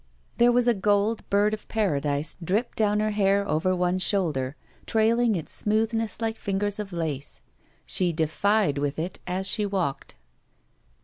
There was a gold bird of paradise dipped down her 73 BACK PAY hair over one shotilder, trailing its smoothness like fingers of lace. She defied with it as she walked.